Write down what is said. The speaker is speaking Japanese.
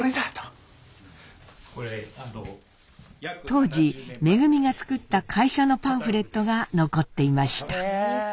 当時恩が作った会社のパンフレットが残っていました。